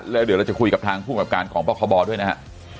แล้วเดี๋ยวเราจะคุยกับทางภูมิกับการของปคบด้วยนะฮะ